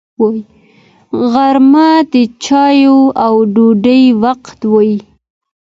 غرمه د چایو او ډوډۍ وخت وي